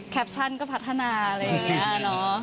แคปชั่นก็พัฒนาอะไรอย่างนี้เนอะ